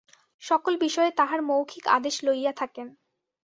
সকল বিষয়ে তাঁহার মৌখিক আদেশ লইয়া থাকেন।